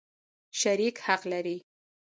شریک حق لري.